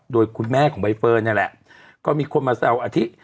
โดยคุณแม่ของใบเฟิร์นนี่แหละก็มีคนมาแซวอาทิ